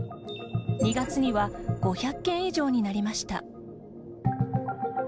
２月には５００件以上になりました。